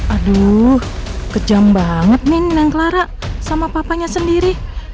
aduh kejam banget nih neng clara sama papanya sendiri